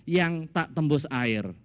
yang tak tembus air